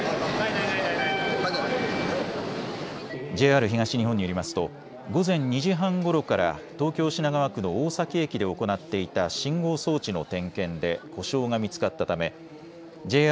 ＪＲ東日本によりますと午前２時半ごろから東京品川区の大崎駅で行っていた信号装置の点検で故障が見つかったためＪＲ